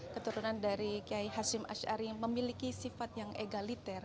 keturunan dari kiai hashim ash'ari memiliki sifat yang egaliter